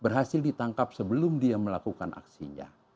berhasil ditangkap sebelum dia melakukan aksinya